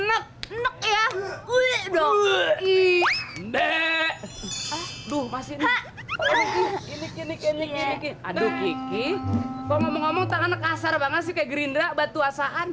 aduh kiki ngomong ngomong kasar banget sih ke gerindra batu asaan